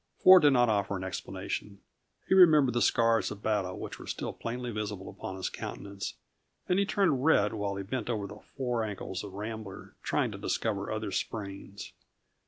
Ford did not offer any explanation. He remembered the scars of battle which were still plainly visible upon his countenance, and he turned red while he bent over the fore ankles of Rambler, trying to discover other sprains.